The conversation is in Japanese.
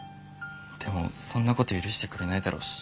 でもそんな事許してくれないだろうし。